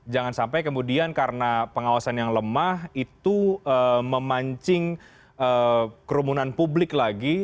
jangan sampai kemudian karena pengawasan yang lemah itu memancing kerumunan publik lagi